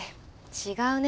違うね。